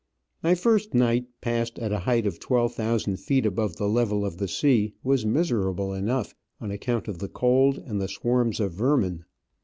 My first night, passed at a height of twelve thousand feet above the level of the sea, was miser able enough, on account of the cold and the swarms of vermin.